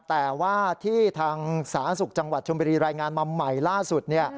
แต่ว่าที่ทางสาธารณสุขจังหวัดชมบุรีรายงานมาใหม่ล่าสุด